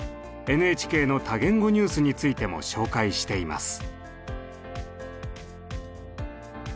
ＮＨＫの多言語ニュースについても紹介しています。